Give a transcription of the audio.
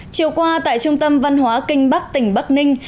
chiều qua tại trung tâm văn hóa kinh bắc tỉnh bắc ninh